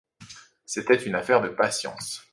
C’était une affaire de patience!